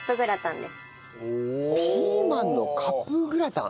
ピーマンのカップグラタン？